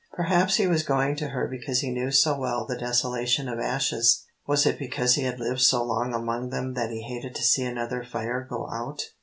Perhaps he was going to her because he knew so well the desolation of ashes. Was it because he had lived so long among them that he hated to see another fire go out?